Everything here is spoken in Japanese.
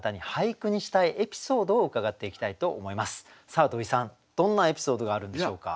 さあ土井さんどんなエピソードがあるんでしょうか？